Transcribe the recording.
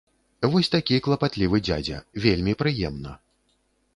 Вось такі клапатлівы дзядзя, вельмі прыемна!